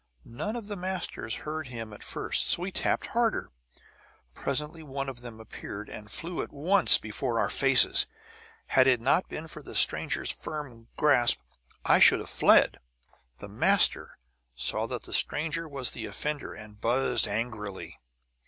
None of the masters heard him at first; so he tapped harder. Presently one of them appeared, and flew at once before our faces. Had it not been for the stranger's firm grasp I should have fled. "The master saw that the stranger was the offender, and buzzed angrily.